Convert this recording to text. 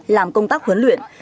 làm công tác huấn luyện